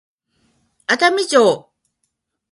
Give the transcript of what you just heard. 熱海城